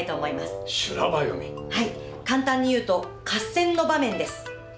はい簡単に言うと合戦の場面です。